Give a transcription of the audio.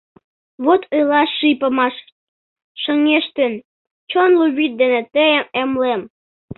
Вот ойла ший памаш, шоҥештын: «Чонло вӱд дене тыйым эмлем».